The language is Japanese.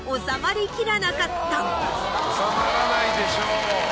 収まらないでしょう。